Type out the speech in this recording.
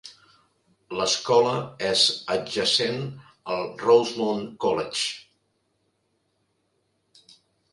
L'escola és adjacent al Rosemont College.